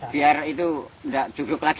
biar itu tidak cukup lagi